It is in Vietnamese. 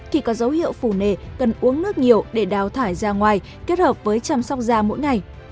thì có dấu hiệu phù nề cần uống nước nhiều để đào thải ra ngoài kết hợp với chăm sóc da mỗi ngày